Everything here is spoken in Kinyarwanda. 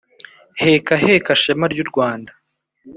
heka heka shema ry’u rwanda